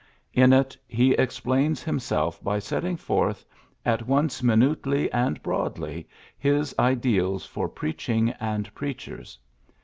In it he explains him self by setting forth, at once minutely and broadly, his ideals for preaching and preachers.